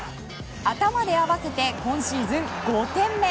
頭で合わせて今シーズン５点目。